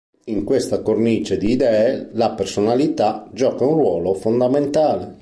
In questa cornice di idee la personalità gioca un ruolo fondamentale.